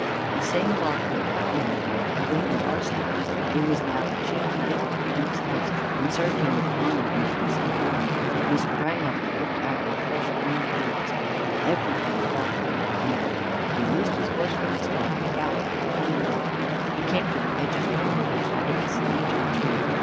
The same lark that Palamon heard awakened Arcite. He was now the chief knight in the Duke's house, and served him with honor in peace and war. He sprang up and looked out on the fresh green fields. Everything called to him to come out. He loosed his horse from the stall and galloped over hill and dale. He came to the edge of a grove, and tied up his steed to a tree.